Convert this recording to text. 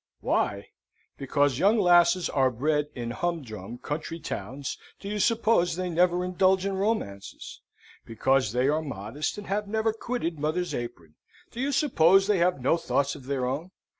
Why? Because young lasses are bred in humdrum country towns, do you suppose they never indulge in romances? Because they are modest and have never quitted mother's apron, do you suppose they have no thoughts of their own?